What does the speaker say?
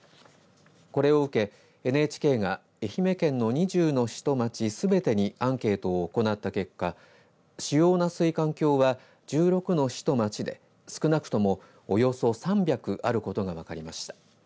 これを受け、ＮＨＫが愛媛県の２０の市と町すべてにアンケートを行った結果主要な水管橋は１６の市と町で少なくとも、およそ３００あることが分かりました。